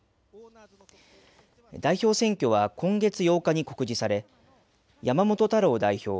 代表選挙は今月８日に告示され山本太郎代表